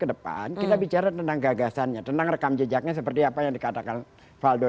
kedepan kita bicara tentang gagasannya tentang rekam jejaknya seperti apa yang dikatakan faldo